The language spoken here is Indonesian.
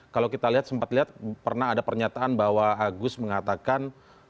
kalau kita lihat sempat lihat pernah ada pernyataan bahwa agus mengatakan